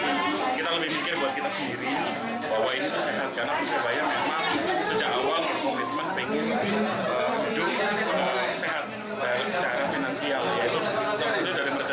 karena persebaya memang sejak awal berkomitmen pengen hidup secara finansial